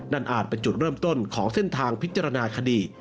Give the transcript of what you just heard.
อาจเป็นจุดเริ่มต้นของเส้นทางพิจารณาคดี